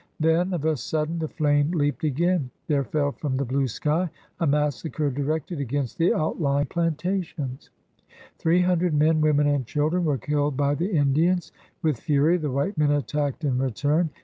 Then, of a sudden, the flame leaped again. There fell from the blue sky a massacre directed against the outlying plantations. Three hundred men, women, and children were killed by the Indians. With fury the white men attacked in return.